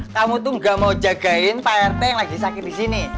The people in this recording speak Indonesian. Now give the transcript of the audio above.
kamu tuh gak mau jagain pak rt yang lagi sakit di sini